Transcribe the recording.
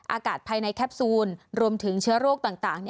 อากาศภายในแคปซูลรวมถึงเชื้อโรคต่าง